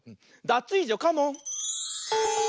ダツイージョカモン！